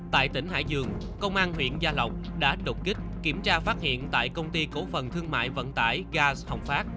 tại tỉnh hải dương công an huyện gia lộc đã đột kích kiểm tra phát hiện tại công ty cổ phần thương mại vận tải gas hồng phát